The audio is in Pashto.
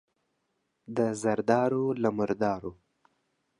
د زردارو، له مردارو.